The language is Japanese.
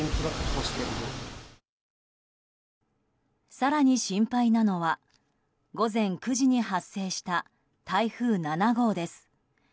更に心配なのは午前９時に発生した台風７号です。